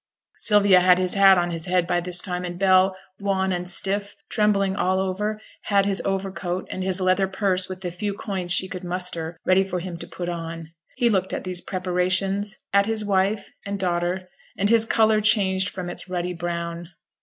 Sylvia had his hat on his head by this time; and Bell, wan and stiff, trembling all over, had his over coat, and his leather purse with the few coins she could muster, ready for him to put on. He looked at these preparations, at his wife and daughter, and his colour changed from its ruddy brown.